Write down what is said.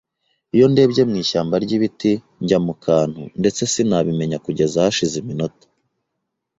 iyo ndebye mu ishyamba ryibiti, njya mu kantu ndetse sinabimenya kugeza hashize iminota.